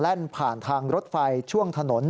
ผ่านทางรถไฟช่วงถนน